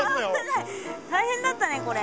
大変だったねこれ。